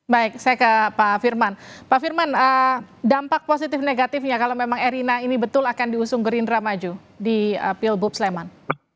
baik saya ke pak firman pak firman dampak positif negatifnya kalau memang erina ini betul akan diusung gerindra maju di pilbub sleman